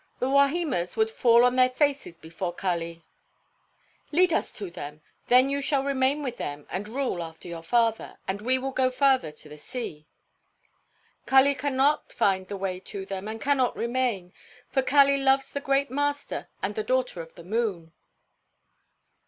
"The Wahimas would fall on their faces before Kali." "Lead us to them; then you shall remain with them and rule after your father, and we will go farther to the sea." "Kali cannot find the way to them, and cannot remain, for Kali loves the great master and the daughter of the moon."